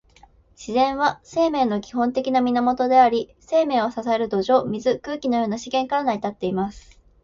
自然は、生命の基本的な源であり、生命を支える土壌、水、空気のような資源から成り立っています。